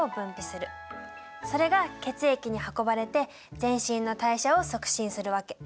それが血液に運ばれて全身の代謝を促進するわけ。